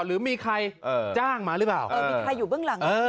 หรือมีใครจ้างมาหรือเปล่าเออมีใครอยู่เบื้องหลัง